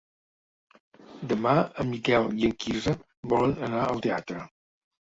Demà en Miquel i en Quirze volen anar al teatre.